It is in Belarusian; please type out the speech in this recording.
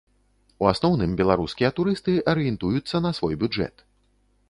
У асноўным, беларускія турысты арыентуюцца на свой бюджэт.